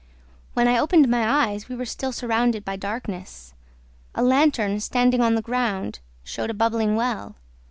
"When I opened my eyes, we were still surrounded by darkness. A lantern, standing on the ground, showed a bubbling well.